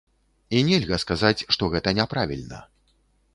І нельга сказаць, што гэта няправільна.